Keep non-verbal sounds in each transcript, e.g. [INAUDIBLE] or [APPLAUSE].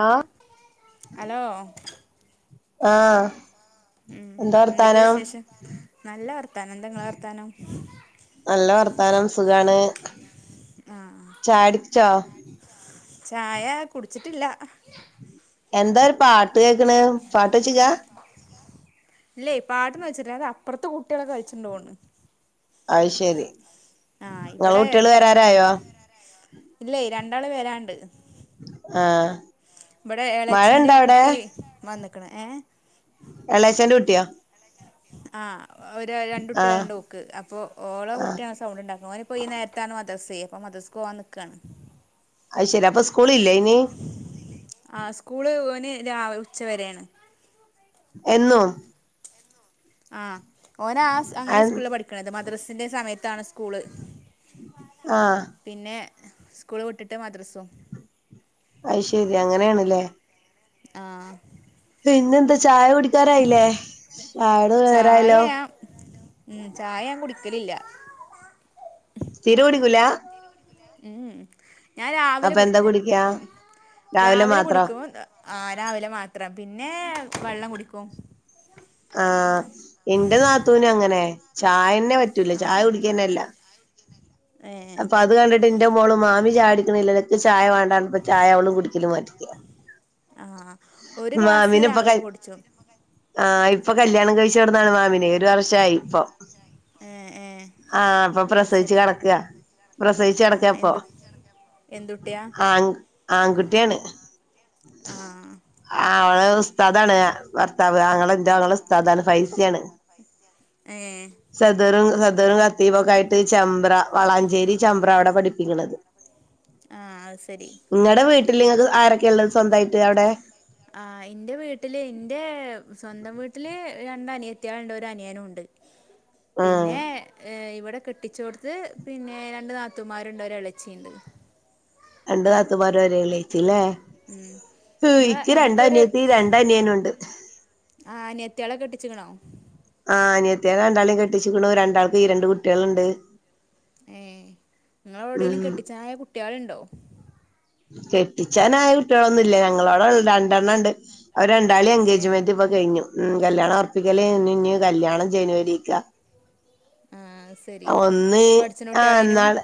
ആ ഹലോ ആഹ് ഉം എന്താ എന്തൊക്ക വർത്താനം വിശേഷം നല്ല വർത്താനം. എന്തങ്ങളെ വർത്താനം. ആഹ് ചായടിച്ചോ? ചായ കുടിച്ചിട്ടില്ല. എന്താ ഒരു പാട്ട് കേക്കണ് പാട്ട് വെച്ചിക്ക ഇല്ലേ പാട്ടന്ന് വെച്ചിട്ടി അത് അപ്പറത്തെ കു ട്ടിയളൊക്കെ കൾച്ച്ണ്ടോണ് അത് ശരി ആ ഇങ്ങളെ ഇപടെ കുട്ടികള് പിന്നെ വരാറായോ ഇല്ല ര രണ്ടാൾ വരാണ്ട്. ആ ഇവിടെ എളച്ചിന്റെ കുട്ടി വന്ന്. ക്ക്ണ് ഏ. എളയ്ച്ഛന്റെ കുട്ടിയാ. ആ ഒരു രണ്ടു കുട്ടികളണ്ട് ഓക്ക് അപ്പോ ഓളോ ആഹ് കുട്ടിയാ സൗണ്ട് ഇണ്ടാക്ക് ഓന് ഇപ്പോ ഈ നേരത്താണ് മദ്രസ് കയിയ അപ്പം മദ്രസ്ക്ക് പോവാൻ നിക്കാണ്. അയ്‌ശരി അപ്പ സ് ആ സ്കൂള് [UNINTELLIGIBLE] ന് രാ ഉച്ചവരെയാണ്. എന്നും ആ ഓനെ ആ സ് അങ്ങനെ സ്കൂൾലാ പഠിക്കണത് മദ്രസ് ത്തിന്റെ സമയത്താണ് സ്കൂള്. ആ പിന്നെ സ്കൂള് വിട്ടിട്ട് മദ്രസും അയ്ശരി അങ്ങനെയാണല്ലേ ആ പിന്നെ എന്താ ചായ കുടി ക്കറായില്ലേ ആട് ചായ വേരറായല്ലോ. ക്കലില്ല. തീരെ കുടിക്കൂല. ഉം മ് ഞാൻ രാവിലെ അപ്പൊ എന്താ കുടിക്കും, കുടിക്കാ രാവിലെ കുടിക്കും, ആ രാവിലെ മാത്രം പിന്നെ വള്ളം കുടിക്കും. ആ എന്റെ നാത്തൂനും അങ്ങനെ ചായന് ന്നേ പറ്റൂല ചായ കുടിക്കന്നേല്ല. പില്ല അപ്പ അത് കണ്ടിട്ട് ഇന്റെ മോള് മാമി ചായുടിക്കണില്ല [UNINTELLIGIBLE] ചായ വേണ്ടാന്ന് [UNINTELLIGIBLE] ചായ അവളും കുടിച്ചില്ല മാറ്റിക്ക [UNINTELLIGIBLE] ആ ഒരു ഗ്ലാസ് രാവിലെ കുടിച്ചും. ആ ഇപ്പ കല്യാണം കഴിച്ചോണ്ട്ന്നാണ് മാമിനെ ഒരു വർഷമായി ഇപ്പോ ഏഹ് ഏഹ് ആഹ ഇപ്പ അത് പ്രസവിച്ചു ശരി കൊടക്ക ആഹ് പ്രസവിച്ചടക്കപ്പോ, എന്തു എന്തുട്ടിയാ ആൺ ആൺകുട്ടിയാണ്, ആഹ് അവള് ഉസ്താദാണ് ഭർത്താവ്. [UNINTELLIGIBLE] ന്റെ ആങ്ങള ഉസ്താദാണ്, ഫൈസിയാണ്, ഏഹ് സദറും [UNINTELLIGIBLE] [UNINTELLIGIBLE] കത്തീവൊക്ക ആയിട്ട് ചെമ്പ്ര വളാഞ്ചേ ഞ്ചേരി ചമ്പ്ര അവടെ പഠിപ്പിക്കണത്. ആ അത് ശരി. [UNINTELLIGIBLE] നിങ്ങക്ക് ആ ഇന്റെ വീട്ടില് ഇന്റെ സ്വന്തം വീട്ടില് രണ്ടനിയത്ത്യേള്ണ്ട് ഒരനിയനുണ്ട് ആഹ് പിന്നെ ഇവിടെ കെട്ടിച്ചോട്ത്ത് പിന്നെ രണ്ട് നാത്തുമാര്ണ്ട് ഒരളച്ചിണ്ട് രണ്ട് നാത്തൂ മാര് ഒരെളേച്ചില്ലേ ഉം നിങ്ങ ഞങ്ങക്കൊരു രണ്ടനിയനുണ്ട്. ആ അനിയത്ത്യേളെ കെട്ടിച്ച് ക്ക്ണോ ത്ത്യേളെ രണ്ടാളും കെട്ടിച്ചിക്ക് ണ് രണ്ടാൾക്കും ഈ രണ്ട് കുട്ട്യേള്ണ്ട് ഏ ഉം നിങ്ങളൊടെലും കെട്ടിച്ചനായ കുട്ട്യേള് ണ്ടോ കെട്ടിച്ചാനായ കുട്ട്യേളൊന്നുല്ല ഞങ്ങളടെ [UNINTELLIGIBLE] രണ്ടെണ്ണ ണ്ട് അവര് രണ്ടാളി ഏഹ് എൻഗേജ്മെന്റ് ഇപ്പോ കഴിഞ്ഞു ഉം കല്യാണം ഏഹ് ഓർപ്പിക്കയ്ഞ്ഞ് ഇഞ് കല്യാണം ജനുവരിക്ക ആഹ് അത് ശരി ഒന്ന് പഠിച്ച്ണ ആ കുട്ട്യാളേനു എന്നാള്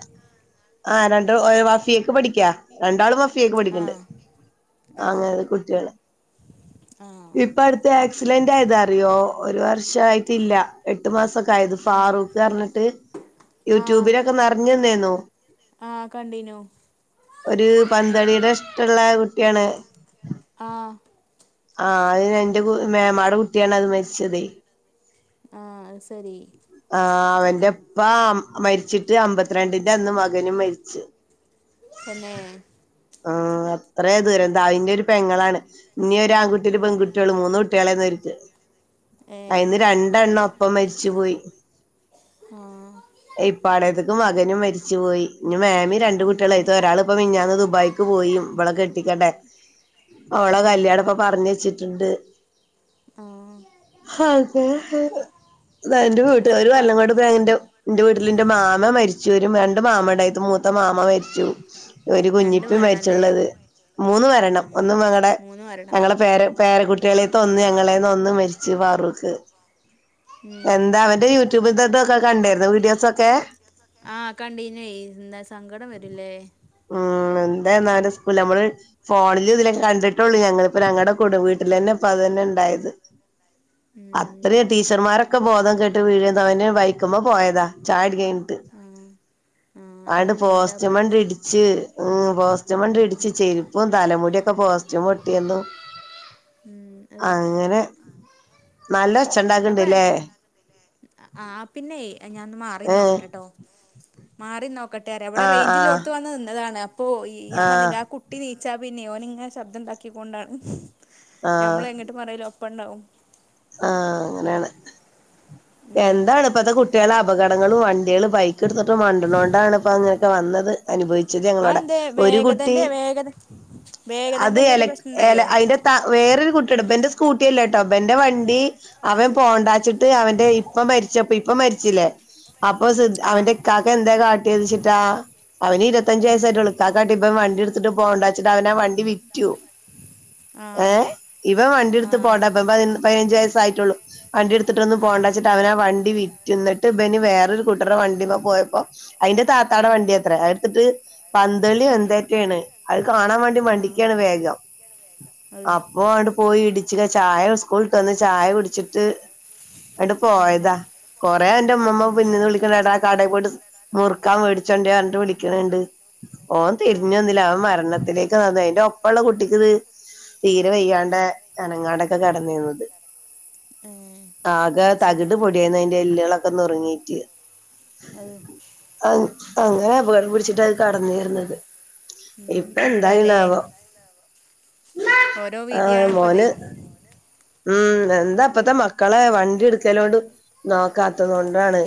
ആ രണ്ടള് ആ വഫിയക്ക് പഠിക്ക രണ്ടാളും വഫ ഫിയക്ക് പഠിക്ക്ണ്ട് ആഹ് അ ആഹ് [UNINTELLIGIBLE] കുട്ട്യേളെ ആഹ് ഇപ്പ അട്ത്ത് ആക്സിലൻ്റയതറിയോ ഒരു വർ ഷായിട്ടില്ല എട്ട് മാസ ക്കായത് ഉം ഫാറൂഖർഞ്ഞിട്ട് ആഹ് യൂട്യൂബിലൊക്കെ നെർഞ്ഞ് നേന്നോ ആഹ് കണ്ടീനു ഒര് പന്തളിടെ ഇഷ്ടള്ള കു ട്ട്യാണ് ആ ആ അഅ് എൻ്റെ മേമാടെ കുട്ട്യാണ് അത് മരിച്ചത് ആഹ് അത് ശരി ആ അവന്റെ ഇപ്പ മരിച്ചിട്ട് അമ്പത്തിരണ്ടിന്റന്ന് മകനും മരിച്ചു തന്നെ ആ അത്രേ ദൂരം എന്തായിൻ്റൊരു പെങ്ങളാണ് ഇനി ഒരാൺകുട്ടി ഒരു ഉം പെൺകുട്ട്യേള് മൂന്ന് കുട്ട്യേളേനി വര് [UNINTELLIGIBLE] ഏഹ് അയിന്ന് രണ്ടെണ്ണം ഒപ്പം മരി ച്ചുപോയി ആ മകനും മരിച്ചു പോയി ഇഞ് മേ മ്മിം രണ്ട് ഉം കുട്ട്യേ ളും അയ്ത്തൊരാ ളിപ്പൊ മിഞ്ഞാന്ന് ദുബ്ക്ക് പോയി ഇവിളെ കെട്ടിക്കണ്ടേ ഓളെ ആഹ് കല്യാണപ്പൊ വച്ചിട്ടുണ്ട് ആഹ് ഹതെ ആഹ [UNINTELLIGIBLE] അത എന്റെ അത് വീട്ട ഒരു ശരിപ്പാണ് വല്ലങ്ങോട്ന്റെ എന്റെ വീട്ടിൽെന്റെ മാമ മരിച്ചു വരും വേണ്ട മാമയുടെത്ത് മൂത്ത മാമ മരിച്ചു ഒരു രണ്ട് കുഞ്ഞിപ്പ മരണല്ലേ മരിച്ചുള്ളത് മൂന്ന് മരണം ഉം ഒന്നും അങ്ങളടെ മൂന്ന് മരണം ഞങ്ങളെ പേര് പേര കുുട്ടികളെ തൊന്ന് ഞങ്ങളെ തൊന്ന്മരിച്ചു വാറുക്ക് ഉം എന്താ അവന്റെ യൂട്യൂബിൽ ഇതൊക്കെ കണ്ടിരുന്നു വീഡിയോസൊക്കെ ആഹ കണ്ടിനെഎന്താ സങ്കടം വരില്ലേ ഉം നമ്മള് ഫോണിൽ ഇലൊക്കെ കണ്ടിട്ടുള്ളൂ ഞ [UNINTELLIGIBLE] ഞങ്ങളടെ കൂടെ വീട്ടിൽന്നെ ഇപ്പ അത് തന്നെ ഉണ്ടായത് ഉം അത്രയും അതന്നെ ടീച്ചർമാരൊക്കെ ബോധം കേട്ട് വീഴ് തവന് ബൈക്കുമ് പോയതാ ചാടി കഴിഞ്ഞിട്ട് ആഹ് ആഹ് ആണ്ട് അതാണ് എന്താ പോസ്റ്റമണ്ട പഠിച്ച ഇടിച്ച് ഉ പോസ്റ്റമണ്ട ഉം ഇടിച്ച് ചെരുപ്പും തലമുടിിയൊക്കെ ഇക്കൊ പോസ്റ്റ്യൂം ഒട്ടിയരുന്നു ഉം അത് അങ്ങനെ നല്ല ഒച്ച അപ്പ ഉണ്ടാക്ക്ണ്ട്ല്ലേ ആ പിന്നെ ഞാൻ മാറി ഏഹ് നോക്കട്ടെട്ടോ മാറിന്നോ ക്കട്ട അവിടെ ആഹ് ആഹ് റേഞ്ചിൽോഓത്തത്ത് വന്ന് നിന്നതാണ് അപ്പോ ഈ ഞാൻ ആഹ് പറഞ്ഞില്ല ആ കുട്ടി നി ച്ചാ പിന്നെ ഓൻ ഇങ്ങനെ ശബ്ദം ഉണ്ടാക്കിക്കൊണ്ടാണ് ഞമ്മള എങ്ങിട്ട് പറയ്ലോ പ്പണ്ണാവും [UNINTELLIGIBLE] ആഹ അങ്ങനെയാണ് ഉം എന്താണ് ഇപ്പത്തെ കുട്ടിളെ അപകടങ്ങളും വണ്ടിയാള് ബൈക്ക് എടുത്തിട്ട് മണ്ട്ണോണ്ടാണ് ഇപ്പ അങ്ങ ഒക്കെ വന്നത് അനുഭവിച്ചത് ഞങ്ങളോട അതെന്തേ ഒരു കുട്ടി വേഗതന്റെ വേഗത അത് വേഗതന്റെ എല എന്തേലും പ്രശ്നം എല ഉണ്ടായോ അതിന്റെ ത വേറൊരു കുട്ടിടെ ഇബന്റെസ്കൂട്ടി കുട്ടില്ലാ ട്ടോ ഇബന്റെ വണ്ടി ആഹ് അവൻ പോണ്ടാച്ചിട്ട് അവൻന്റെ മരിച്ചു അപ്പൊ ഇപ്പൊ മരിച്ചില്ലേ അപ്പൊ സിദ്ദി ആഹ് അവന്റെഇക്കാക എന്താകാറ്റിദ്ച്ചി ട്ടാ അവന് ഇരുപത്തചു ഉം വയസ്സായിട്ടോള്ളുക്കാക്ക കാട്ടി ഇബൻ വണ്ടി എടുത്ത് ട്ത്ട്ട് പോണ്ടാച്ചിട്ട് അവനാവണ്ടി വിറ്റ് റ്റു ഏ ആഹ് ഇവൻവണ്ടിടുത്ത് ആഹ് പോണ്ടഇബാ പതിനഞ്ച് വയസ്സായിട്ടുള്ളൂ വണ്ടി എടുത്തിട്ടൊന്നും പോണ്ട ആഹ് ന്നിട് അവനാ വണ്ടി വിറ്റുന്നിട്ട് ഇവന് വേറൊരു കൂട്ടറെ വണ്ടിമേ പോയപ്പോ അയിന്റെ താത്താടെ വണ്ടി ഉം അത്ര അടുത്തിട്ട് പന്തളി ഉം എന്തേറ്റാണ് അത് ആഹ് കാണാൻവേണ്ടിമണ്ടിക്കാണ് വേഗം അത് അപ്പോഅണ്ടുപോയി ഇടിച്ചിലെ ചായ സ്കൂൾ ട്ട് വന്ന് ചായ കുടിച്ചിട്ട് അട്ട് ഉം പോയതാ കൊറേ എന്റെ മ്മമ്മ ഉം പിന്നീന്ന് വിളിക്ണ് എട കടെ പോയിട്ട് മുറുക്കാൻ വേടിച്ചൊന്ററഞ്ഞ് വിളിക്ണ്ണ്ട് ഓൻ ആഹ് തിരിഞ്ഞൊന്നില്ല ആ മരണത്തിലേക്ക് അതെ ലോ ഒപ്പോള്ള കുട്ടിക്ക് ഇത് തീരെ വയ്യാണ് ടെ അനങ്ങാട്ടൊക്കെ കടന്നിന്നുന്നത് ആ അത് ശരി തകിട് പൊടിയായിന്നെന്റെ എല്ലുകളൊക്കെ നുറുങ്ങി ങ്ങീറ്റ് അത് അഹ് അങ്ങനെ അബകടം പി ച്ചിട്ട കടന്നിരുന്നത് ഉം ഇപ്പൊ എന്തായി എന്താലേ ന്നാവോ ഓരോ ആ മോന് വിധിയാണിപ്പതേ ഉം എന്താ ഇപ്പത്തെ മക്കളെ വണ്ടി എടുക്കലോണ്ട് നോക്കാത്തത് കൊണ്ടാണ്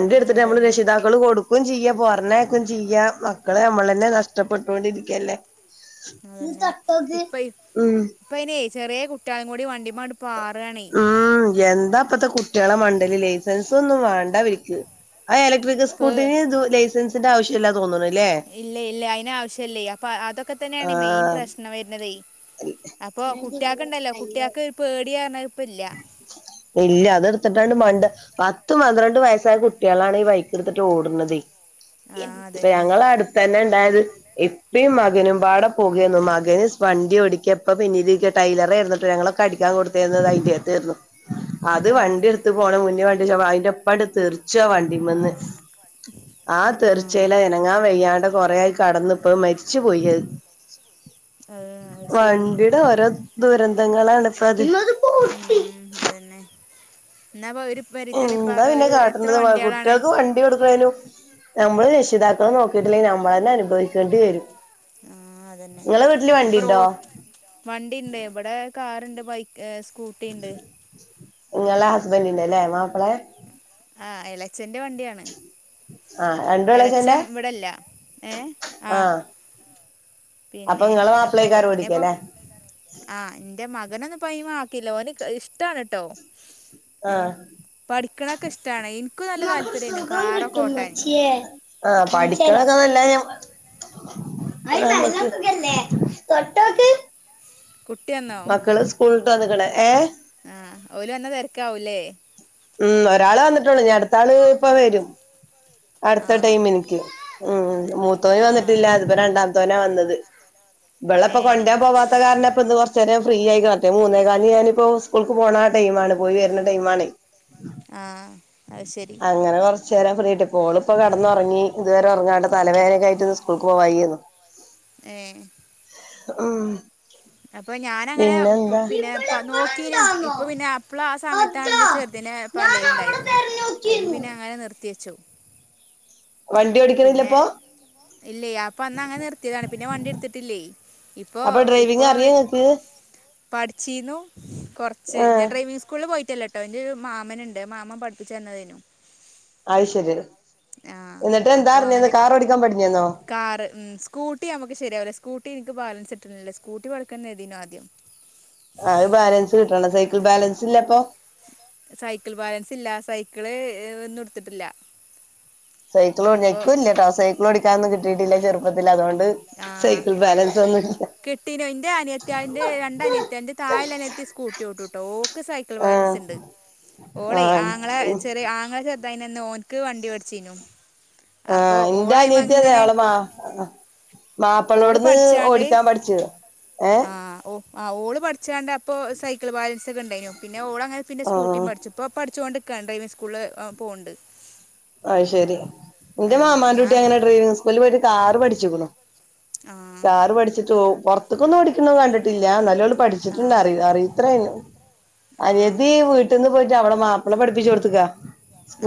ഉം നമ്മള് അതന്നെ രക്ഷിതാക്കൾ കൊടുക്കും ചെയ്യ പറഞ്ഞ കേക്കുകയും ചെയ്യ മക്കളെ നമ്മളന്നെ നഷ്ടപ്പെട്ടുകൊണ്ടിരിക്കല്ലേ അതന്നെ ഇപ്പ ഉം ഇപ്പയ്നെ ചെറിയ കുട്ടിയേൾ മുടി വണ്ടിമാട് പാറുവാണേ ഇതാ ഇപ്പളത്തെ കുട്ടികളെ മണ്ഡേല് ലൈസൻസൊന്നും വേണ്ട വീട്ടില് ആ ഇലക്ട്രിക്കൽ ഇപ്പ സ്കൂട്ടിന് ഇതു ലൈസൻസ് അതിന്റെ ആവശ്യല്ലാന്ന് തോന്നണ് ഇല്ലയില്ല അയിനാവശ്യാല്ലേ അപ്പൊ അതൊക്കെതന്നെയാണ് മെയിൻ ആഹ് പ്രശ്നം വരുന്നതെ അപ്പൊ കുട്ടികക്കുണ്ടല്ലോ കുട്ടികക്ക് പേടി ടിയാണ് ഇല്ല അതെടുത്തിട്ടാണ്‌ മണ്ട് പത്തുംപന്ത്രണ്ടുംവയസ്സായ കുട്ടി കളാണ് ഈ ബൈക്കെടുത്തിട്ട് ഓടുന്നതേ ആ ഇപ്പ അതന്നെ ഞങ്ങള് അടുത്തതന്നെ ഇണ്ടായത് ഇപ്പീം മകനും പാടെ പോകയെന്നും മകന് വണ്ടി ഓടിക്കിയപ്പം പിന്നെയിതിന്റെ ടൈലറേ ഇരുന്നിട്ട് ഞങ്ങളെ കടിക്കാ കൊടുത്തിതായി യെതേന്നും അത് ആ വണ്ടിഎടുത്ത് പോണം മുന്നേ വണ്ടിച്ചാ പായും ഇൻ്റപ്പാട് തെറിച്ചു ആ വണ്ടിമന്ന്. ആ.. തെറിച്ചയിൽ അനങ്ങാൻവയ്യാ ണ്ട് കൊറേ കടന്ന് പ്പം മരിച്ചുപോയി അത്. അത് ശരി വണ്ടിയുടെ ഓരോ ത ദുരന്തങ്ങളാണ് ഇപ്പതെ. ഉം.. അതന്നെ എന്നാ പ്പ വ ഒര് എന്താ പിന്നെ കാട്ടുന്നത് കുട്ടിയേൾക്ക് വണ്ടി കൊടുക്കണേനും നമ്മളു രക്ഷിതാക്കൾ നോക്കീട്ടില്ലെങ്കിൽ ഞമ്മളന്നെയനുഭവിക്കേണ്ടി വരും. ആ.. അതന്നെ നിങ്ങളെ വീട്ടില് ഇപ്പൊ വണ്ടിണ്ടോ റോഡിൽ വണ്ടിയുണ്ടേ, ഇവിടെ കാ- രണ്ടുബൈക്ക്, സ്കൂ- സ്കൂട്ടി ഇണ്ട് നിങ്ങളാ ഹസ്ബന്റിന്റെയല്ലേ മാപ്പിളെ ആ.. ഇല, - അച്ഛന്റെ വണ്ടിയാണ് ആ.. രണ്ടും ഇളയച്ഛന്റെ എളച്ചൻ ഇവിടെല്ല ഏഹ് ആ.. ആഹ് പിന്നെ അപ്പൊ പിന്നയിപ്പോ, ആ.. എന്റെ മകനൊന്നും പൈമ ആക്കീല്ല ഓനിഷ്ടാണ് കേട്ടോ ഏ.. പടി- [UNINTELLIGIBLE] മ്മക്കൊരു സുഖകിട്ടുമ്മച്യേ ആ [UNINTELLIGIBLE] തൊട്ടൊക്ക്. കുട്ടി വന്നോ മക്കള് സ്കൂൾ വന്ന്ക്കണ്‌ ഏ ആഹ് ഓല് വന്ന തിരക്കാഊല്ലേ? ഉം ഒരാള് വന്നിട്ടുണ്ട് നി അടുത്ത ആള് ഇപ്പ വരും. അടുത്ത ആഹ് ടൈമ് ൻക്ക് ഉം മൂത്തോന് ആഹ് വന്നിട്ടില്ല അതിപ്പോ രണ്ടാംതോന വ ന്നത് ഏഹ് വെള്ളപ്പൊകൊണ്ടെ പോവാത്ത കാരണപ്പ ഇന്ന് കുറച്ചെരെൻ ഫ്രീ ആയി വ റ്റ് മൂന്നേ കാൽന് ഞാനിപ്പോ സ്കൂൾക്ക് പോണ ആ ടൈമാണ്. പോയി വരുന്ന ടൈമാണ്. ആഹ് അഹ് ശരി. ചേരാം ഫറിയെട്ട് ഗോളിപ്പ കെടന്നുറങ്ങി ഇതുവരെ ഉറങ്ങാട തലവേദനയിട്ട്ന്ന് സ്കൂൾക്ക് പോ വായിരുന്നു. ആഹ്. അപ്പൊ ഞാന അങ്ങനെ പിന്നെ പ നോക്കീനും. ഇവളിവിടെണ്ടാന്നോ ഇപ്പൊ പിന്നെ അപ്പള ആ സമയത്താണ അതാ എന്റെ ചെർതി ഞാൻ അവിടെ പള്ളില്ണ്ടായത് അതില് തെരഞ്ഞോക്കിയിരുന്നു പിന്നെ അങ്ങനെ നിർ തെച്ചൗ വണ്ടി പിന്നെ ഓടിക്കണില്ലപ്പൊ ഇല്ലേ അപ്പൊ അന്ന് അങ്ങനെ നിർത്തിയതാണ്. പിന്നെ വണ്ടി എടുത്തിട്ടില്ലേ? ഇപ്പൊ അപ്പൊ ഇ ഡ്രൈവിങ് അറിയോ ഇങ്ങക്ക് പഠിച്ചീന്നു കൊർച്ച് ഞാ ആഹ് ഡ്രൈവിംഗ് സ്കൂ പോയിട്ടല്ലട്ടോ എന്റെ ഒരു മാമനുണ്ട് മാമൻ പഠിപ്പിച്ച് തന്നേനു. അയ് ശരിയ ആഹ് അപ്പൊ അങ്ങനെ ഓടിക്കാൻ പഠിഞ്ഞന്നോ കാർ ഉം സ്കൂട്ടി ഞമുക്ക് ശരിയാവല്ല സ്കൂട്ടി നിക്ക് ബാലൻ ട്ടണില്ല സ്കൂട്ടി വളക്കുന്നതെനു ആദ്യം. അത് ബാലൻസ് കിട്ടണം. സൈക്കിൾ ബാലൻസ് ഇല്ലപ്പോ സൈക്കിൾ ബാലൻസ് ഇല്ല. സൈക്കിള് ഒന്നും എടുത്തിട്ടില്ല. സൈക്കിൾ അപ്പൊ എനിക്കും ഇല്ലട്ടോ സൈക്കിൾ ഓടിക്കാനൊന്നും ഉം കിട്ടിയിട്ടില്ല ചെറുപ്പത്തിൽ അതുകൊണ്ട് ആ സൈക്കിൾ ബാലൻസ് ഒന്നും ഇല്ല കെട്ടിനു എന്റെ അനിയത്തിയാലിന്റെ രണ്ടനിയത്തിയന്റെ തായല്ലഅനിയത്തി സ്കൂട്ടിഓട്ടുട്ടോ ഓക്ക് സൈക്കിൾ ബാലൻസ് ആഹ് ഇണ്ട്. ഓളെ ആഹ് ആങ്ങളെ ചെറിയ ആങ്ങളെ ചെറതായി ന്ന് ഓൻക്ക് വണ്ടി വേടിച്ചീനു. ആഹ് എന്റെ അനിയത്തീഅതെ അവള മാ ഓള് മാപ്പിളോട്ന്ന് പഠിച്ചാണ്ട് ഓടിക്കാൻ പഠിച്ച ഏ ആ ഓ ആ ഓള് പഠിച്ചാണ്ട് അപ്പൊ സൈക്കിൾ ബാലൻസ് ക്കെഉണ്ടായിനു പിന്നെഓള അങ്ങന പിന്നെ സ്കൂട്ടി ആഹ് പഠിച്ചുപ്പോ പഠിച്ചുകൊണ്ട് കണ്ടയിവിങ് സ്കൂളില് ആ പോവുണ്ട് അയ്ശരി എന്റെ മാമാന്റെ കുട്ടി ഞാൻ അങ്ങനെ ഡ്രൈവിങ് സ്കൂളിൽ പോയിട്ട് കാറ് പഠിച്ചുക്കുണു ആ കാറ് പഠിച്ചിട്ടോ പുറത്തക്കൊന്നും ഓടിക്കണ കണ്ടിട്ടില്ല നല്ലോലം ആ പഠിച്ചിട്ടുണ്ട് അറി അറിയിത്രെ ആ അനിയത്തി വീട്ടിന്ന് പോ റ്റെ അവടെ മാപ്പിള പഠിപ്പിച്ചു കൊടുത്തക്കാ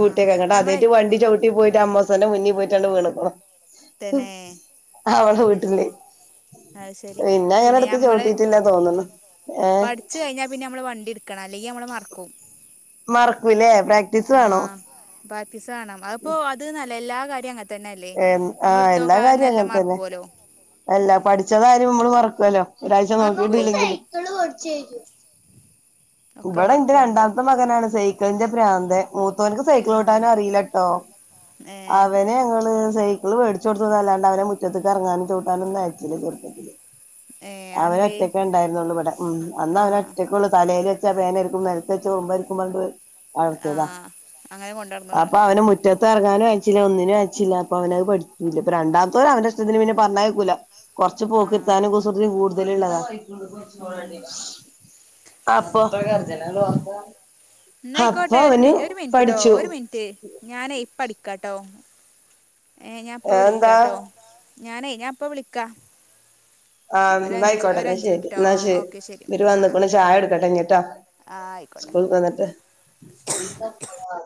ആ അങ്ങട്ട് അതേ നമ്മളെ വണ്ടി ചവിട്ട് പോയിട്ട അമ്മോസ്സന്റെ മുന്നിൽ പോയിട്ടാണ് വീണക്കണം തന്നെ ഉം വീട്ടില് അത് ശരി അങ്ങനെ പിന്നെ എടുത്ത് ഞമ്മള് ചവിട്ടിട്ടില്ല തോന്നുന്നു ഏഹ് പഠിച്ചു കഴിഞ്ഞാൽ പിന്നെ നമ്മള് വണ്ടി എടു ക്കണം അല്ലെങ്കി നമ്മൾ മറക്കും മറക്കൂല്ലേ പ്രാക്ടീസ് വേണോ പാത്ത് സ് വേണം അത് ഇപ്പൊ അത് നല്ല എല്ലാ കാര്യങ്ങൾ തന്നല്ലേ ആ എല്ലാ കാര്യവും അങ്ങനെ തന്നെ അല്ല ഉം പഠിച്ച കാര്യം നമ്മള് മറക്കുവല്ലോ ഒരാഴ്ച മറക്കുവേ നോക്കിട്ടില്ലെങ്കില് പഠിച്ച് കഴിഞ്ഞു ഒക്കെ ഇവിടെ എന്റെ മറക്കുവേ നമ്മള് രണ്ടാമത്തെ മകനാണ് സൈ കന്റെ ഭ്രാന്തൻ മൂത്തവനക്ക് സൈക്കിൾ ഓട്ടൻ ആഹ് നും അറിയില്ലട്ടോ ഏഹ് അവന് ഞങ്ങൾ സൈക്കിള് മേടിച്ചു കൊടുത്തത് അല്ലാണ്ട് അവനെ മുറ്റത്തക്ക് എറങ്ങാനും ചവുട്ടാനും ഒുന്നും അയച്ചില്ല ചെുപ്പത്തില് ഏഹ് അതെന്തേ അവനൊറ്റക്കെ ഉണ്ടായിരുന്നുള്ളൂ ഇവിടെ ഉം അന്ന് അവന് ആഹ് ഒറ്റക്കെ ഉള്ളൂ തലേൽ ച്ച പേനരിക്കും നിലത്ത് വെച്ച ഉറുമ്പരിക്കും ന്ന് പറഞ്ഞിട്ട് വളർത്തിയതാ ആഹ് അങ്ങനെ അപ്പൊ കൊണ്ടടന്നതാണ് അവന് മുറ്റത്ത് ഇപ്പ എറങ്ങാനും അയച്ചില്ല ഒന്നിനും അയ ച്ചില്ല അപ്പൊ അവനത് പഠിക്കൂല ഇപ്പൊ രണ്ടാമത്തോൻ അവന്റെ ഇഷ്ടത്തിന് പിന്നെ പറഞ്ഞ കേക്കൂല്ല കൊറച്ചു ആഹ് പോക്കിർത്താനും കുസൃതിയും കൂടുതലുള്ളതാ ഉം അപ്പൊ അപ്പൊ ഇന്നായിക്കോട്ടെ ഒരു മ് അവന് ഒരു മിനിറ്റ്ട്ടോ പഠിച്ചു ഒരു മിനിറ്റ് ഞാനെ പ്പടിക്കാട്ടോ ഏ ഞാൻ ഇപ്പ എന്താ വിളിക്കാട്ടോ ഞാനേ ഞാൻ ഇപ്പ വിളിക്കാ ആ എന്നായിക്കോട്ടെ എന്നാ ശരി ന്നാ ശെ ആ ഓക്കെ ശരി എന്നിട്ട് ആ ആ വന്നക്കണ്‌ ചായ എടുക്കട്ടെങ്ങിട്ടാ ആ ആയിക്കോട്ടെ സ്കൂളക്ക് വന്നിട്ട് എന്താ പോ അവ